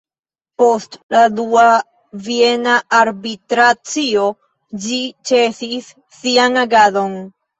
Post la Dua Viena Arbitracio ĝi ĉesis sian agadon.